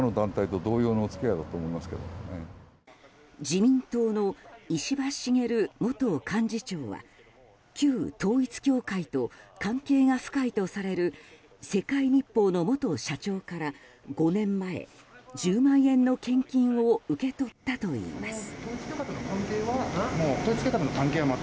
自民党の石破茂元幹事長は旧統一教会と関係が深いとされる世界日報の元社長から５年前、１０万円の献金を受け取ったといいます。